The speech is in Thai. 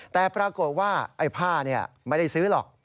แต่ปรากฏว่าไอ้ผ้าไม่ได้ซื้อหรอก